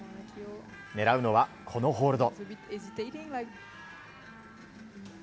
狙うのは、このホールド。